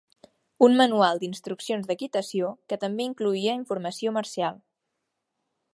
Un manual d'instruccions d'equitació que també incloïa informació marcial.